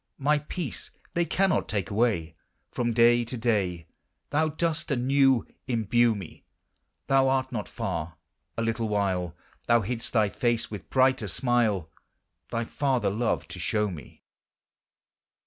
My peace they cannot take away; Prom day to day Thou dost anew imbue me; Thou art not far; a little while Thou hid'st thy face, with brighter smile Thy father love to show me.